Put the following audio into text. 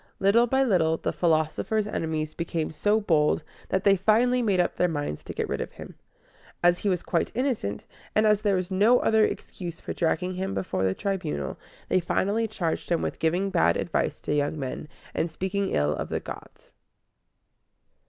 Little by little the philosopher's enemies became so bold that they finally made up their minds to get rid of him. As he was quite innocent, and as there was no other excuse for dragging him before the Tribunal, they finally charged him with giving bad advice to young men, and speaking ill of the gods.